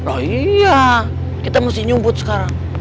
oh iya kita mesti nyumbut sekarang